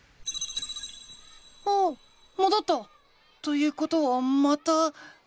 おおっもどった！ということはまた。